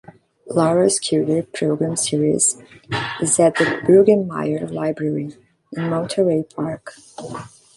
Laura Scudder Program Series is at the Bruggemeyer Library, in Monterey Park.